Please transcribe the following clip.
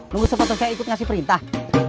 tunggu sepatu saya ikut ngasih perintah